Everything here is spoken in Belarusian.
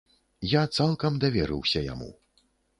Я цалкам даверыўся яму.